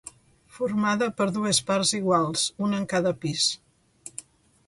Formada per dues parts iguals, una en cada pis.